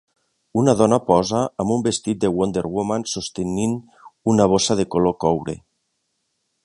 Una dona posa amb un vestit de Wonder Woman sostenint una bossa de color coure.